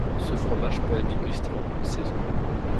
Ce fromage peut être dégusté en toutes saisons.